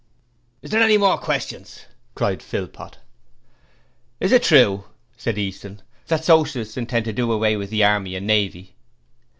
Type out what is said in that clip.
'Is there any more questions?' cried Philpot. 'Is it true,' said Easton, 'that Socialists intend to do away with the Army and Navy?'